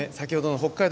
北海道